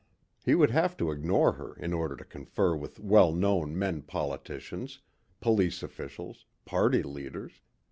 He would have to ignore her in order to confer with well known men politicians, police officials, party leaders.